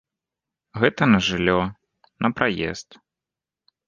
Гэта на жыллё, на праезд.